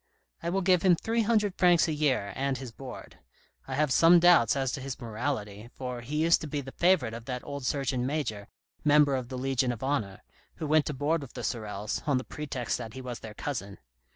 I will give him three hundred francs a year and his board. I have some doubts as to his morality, for he used to be the favourite of that old Surgeon Major, Member of the Legion of Honour, who went to board with the Sorels, on the pretext that he was their cousin.